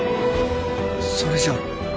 それじゃあ。